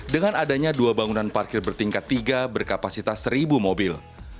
dengan adanya dua bangunan parkir bertingkat tiga berkapasitas seribu mobil